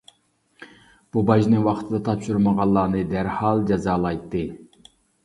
بۇ باجنى ۋاقتىدا تاپشۇرمىغانلارنى دەرھال جازالايتتى.